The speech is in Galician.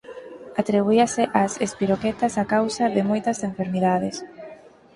Atribuíase ás espiroquetas a causa de moitas enfermidades.